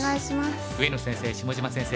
上野先生下島先生